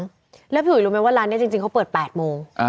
คุณผู้ชมที่ถือดูมั้ยว่าร้านนี้จริงเขาเปิด๘โมง